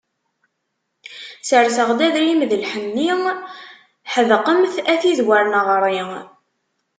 Serseɣ-d adrim d lḥenni, ḥedqemt a tid wer neɣri.